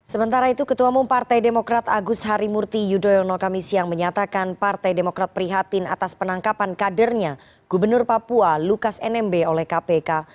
sementara itu ketua umum partai demokrat agus harimurti yudhoyono kami siang menyatakan partai demokrat prihatin atas penangkapan kadernya gubernur papua lukas nmb oleh kpk